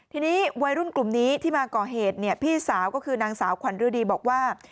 ทีนี้วัยรุ่นกลุ่มนี้ที่มาก่อเหตุเนี่ยพี่สาวก็คือนางสาวขวัญฤดีบอกว่า